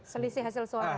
selisih hasil suara